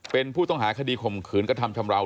เป็นผู้ต้องหาคดีข่มขืนกระทำชำราว